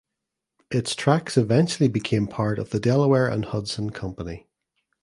Its tracks eventually became part of the Delaware and Hudson Company.